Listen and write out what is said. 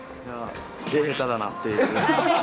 え、下手だなっていう。